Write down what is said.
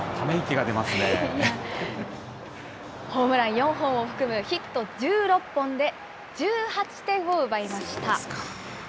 ホームラン４本を含むヒット１６本で、１８点を奪いました。